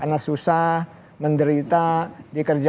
karena susah menderita dikerjai